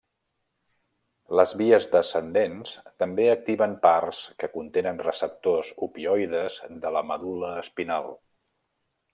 Les vies descendents també activen parts que contenen receptors opioides de la medul·la espinal.